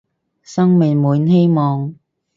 生命滿希望